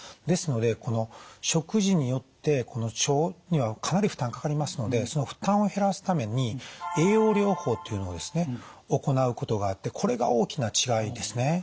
ですので食事によって腸にはかなり負担かかりますのでその負担を減らすために栄養療法というのをですね行うことがあってこれが大きな違いですね。